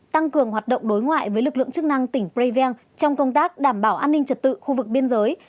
tăng cường hoạt động đối ngoại với lực lượng chức năng tỉnh previang trong công tác đảm bảo an ninh trật tự khu vực biên giới